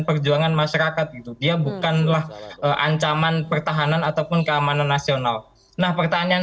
perjuangan masyarakat gitu dia bukanlah ancaman pertahanan ataupun keamanan nasional nah pertanyaan